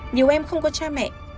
nhiều em không có cha mẹ